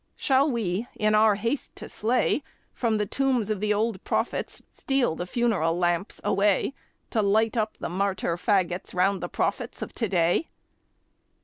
Shall we, in our haste to slay, From the tombs of the old prophets steal the funeral lamps away To light up the martyr fagots round the prophets of to day?